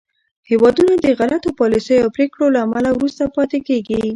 هېوادونه د غلطو پالیسیو او پرېکړو له امله وروسته پاتې کېږي